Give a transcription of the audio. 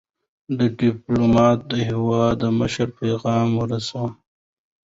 ډيپلومات د هیواد د مشر پیغام رسوي.